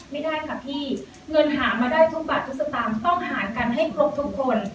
ไม่ได้ค่ะพี่เงินหามาได้ทุกบาททุกสตางค์ต้องหากันให้ครบทุกคน